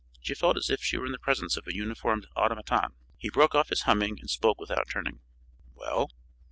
She felt as if she were in the presence of a uniformed automaton. He broke off his humming and spoke without turning. "Well?"